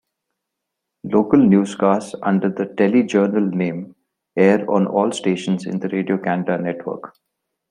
Local newscasts under the "Téléjournal" name air on all stations in the Radio-Canada network.